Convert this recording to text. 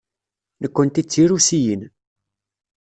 Nekkenti d Tirusiyin.